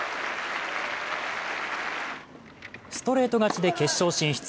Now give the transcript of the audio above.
ストレート勝ちで決勝進出。